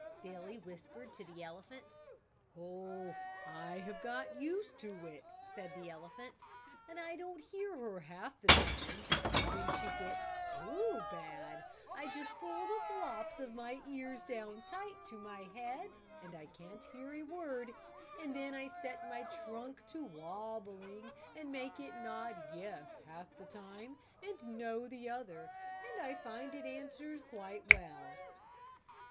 Billy whispered to the elephant. "Oh, I have got used to it," said the elephant, "and I don't hear her half the time, and when she gets too bad I just pull the flops of my ears down tight to my head, and I can't hear a word. And then I set my trunk to wobbling and make it nod 'yes' half the time and 'no' the other, and I find it answers quite well."